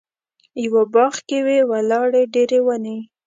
یوه باغ کې وې ولاړې ډېرې ونې.